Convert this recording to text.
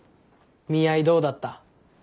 見合いどうだった？